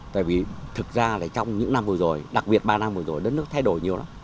tại vì thực ra là trong những năm vừa rồi đặc biệt ba năm vừa rồi đất nước thay đổi nhiều lắm